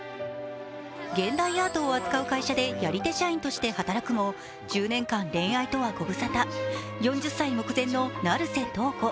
現代アートを扱う会社でやり手社員として働くも１０年間恋愛とはごぶさた４０歳目前の成瀬瞳子。